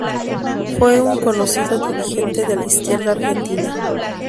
Fue un conocido dirigente de la izquierda argentina.